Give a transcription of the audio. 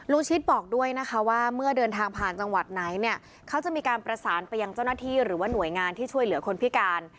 ชิตบอกด้วยนะคะว่าเมื่อเดินทางผ่านจังหวัดไหนเนี่ยเขาจะมีการประสานไปยังเจ้าหน้าที่หรือว่าหน่วยงานที่ช่วยเหลือคนพิการ